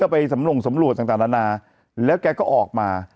ไปสำลงสำรวจต่างนานาแล้วแกก็ออกมา